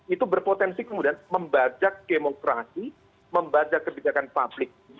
itu berpotensi kemudian membajak demokrasi membajak kebijakan publik